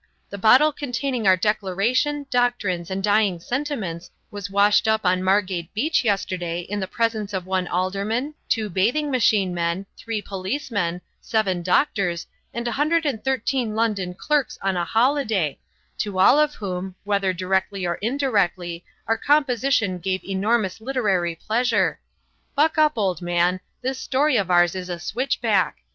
The bottle containing our declaration, doctrines, and dying sentiments was washed up on Margate beach yesterday in the presence of one alderman, two bathing machine men, three policemen, seven doctors, and a hundred and thirteen London clerks on a holiday, to all of whom, whether directly or indirectly, our composition gave enormous literary pleasure. Buck up, old man, this story of ours is a switchback.